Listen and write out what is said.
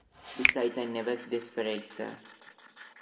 Besides, I never disparage, sir.